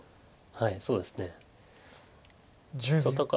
はいそうですね。外側